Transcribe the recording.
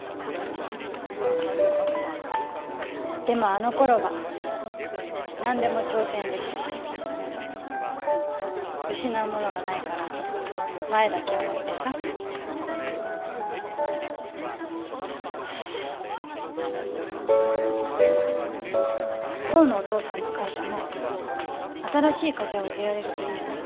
でもあの頃は何でも挑戦できてた失うものがないから前だけを向いてさ功のお父さんの会社も新しい風を入れられるといいよね